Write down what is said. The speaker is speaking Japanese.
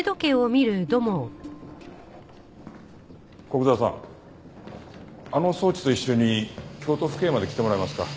古久沢さんあの装置と一緒に京都府警まで来てもらえますか？